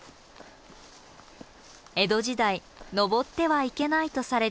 江戸時代登ってはいけないとされていた眉山。